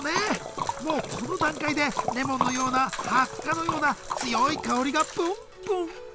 もうこの段階でレモンのようなハッカのような強い香りがプンプン！